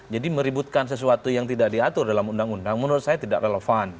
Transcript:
jadi meributkan sesuatu yang tidak diatur dalam undang undang menurut saya tidak relevan